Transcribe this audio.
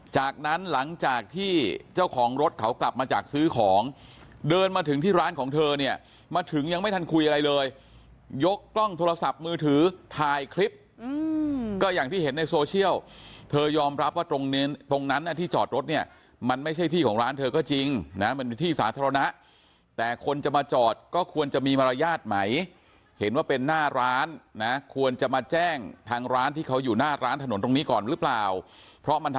จากนั้นหลังจากที่เจ้าของรถเขากลับมาจากซื้อของเดินมาถึงที่ร้านของเธอเนี่ยมาถึงยังไม่ทันคุยอะไรเลยยกกล้องโทรศัพท์มือถือถ่ายคลิปก็อย่างที่เห็นในโซเชียลเธอยอมรับว่าตรงนั้นที่จอดรถเนี่ยมันไม่ใช่ที่ของร้านเธอก็จริงนะมันเป็นที่สาธารณะแต่คนจะมาจอดก็ควรจะมีมารยาทไหมเห็นว่าเป็นหน้าร